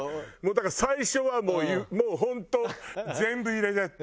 だから最初はもう本当「全部入れで」って。